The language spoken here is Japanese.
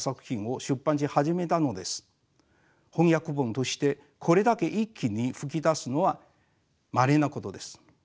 翻訳本としてこれだけ一気に噴き出すのはまれなことです。